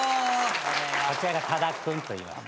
こちらが多田君といいまして。